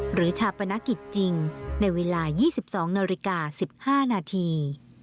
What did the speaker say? หรือชาปนักกิจจริงในเวลา๒๒น๑๕นาที